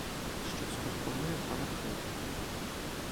Що скомпоную панихиду.